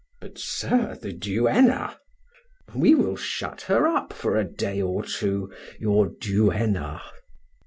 "But, sir, the duenna?" "We will shut her up for a day or two, your duenna."